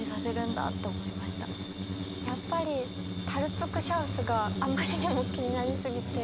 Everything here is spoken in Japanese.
やっぱり「タルップ・ク・シャウス」があまりにも気になりすぎて。